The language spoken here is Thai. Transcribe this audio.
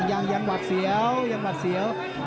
ยังหวัดเสียวยังหวัดเสียว